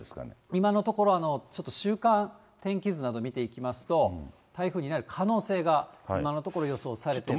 今のところちょっと週間天気図など見ていきますと、台風になる可能性が、今のところ予想されています。